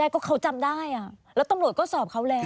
ก็เขาจำได้แล้วตำรวจก็สอบเขาแล้ว